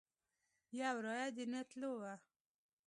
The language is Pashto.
یو رایه د نه تلو وه.